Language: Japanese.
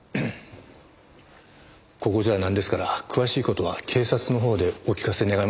ここじゃあなんですから詳しい事は警察のほうでお聞かせ願えますか？